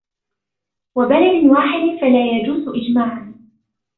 وَبَلَدٍ وَاحِدٍ فَلَا يَجُوزُ إجْمَاعًا